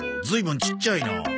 ずいぶんちっちゃいな。